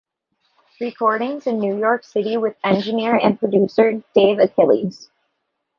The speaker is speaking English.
Recordings in New York City with engineer and producer Dave Achelis.